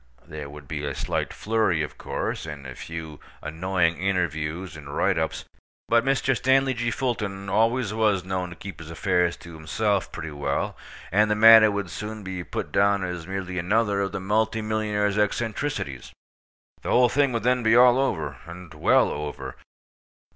There would be a slight flurry, of course, and a few annoying interviews and write ups; but Mr. Stanley G. Fulton always was known to keep his affairs to himself pretty well, and the matter would soon be put down as merely another of the multi millionaire's eccentricities. The whole thing would then be all over, and well over.